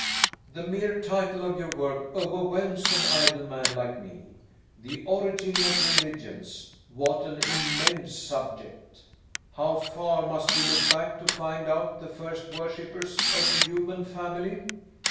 "The mere title of your work overwhelms an idle man like me. 'The Origin of Religions' what an immense subject! How far must we look back to find out the first worshipers of the human family?